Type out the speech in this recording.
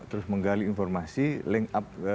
terus menggali informasi link up